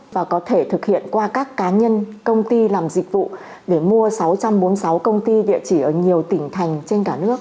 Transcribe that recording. và có thể thực hiện qua các cá nhân công ty làm dịch vụ để mua sáu trăm bốn mươi sáu công ty địa chỉ ở nhiều tỉnh thành trên cả nước